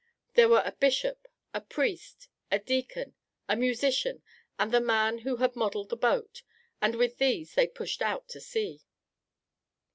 There were a bishop, a priest, a deacon, a musician, and the man who had modelled the boat; and with these they pushed out to sea.